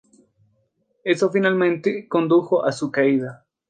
Esto finalmente condujo a su caída.